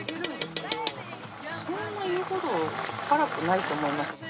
そんな言うほど辛くないと思います。